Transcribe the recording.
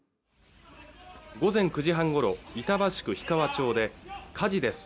午前９時半ごろ板橋区氷川町で火事です